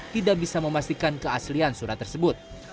tidak bisa memastikan keaslian surat tersebut